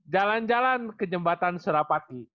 jalan jalan ke jembatan surapati